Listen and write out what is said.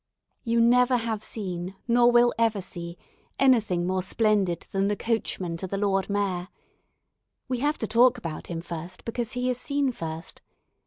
You never have seen, nor will ever see, anything more splendid than the coachman to the Lord Mayor. We have to talk about him first because he is seen first.